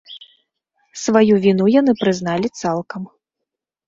Сваю віну яны прызналі цалкам.